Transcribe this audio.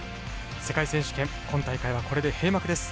世界選手権今大会はこれで閉幕です。